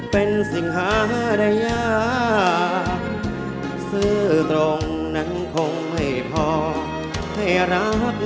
เป็นสิ่งหา